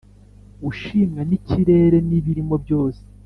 Ushimwa nikirere nibirimo byose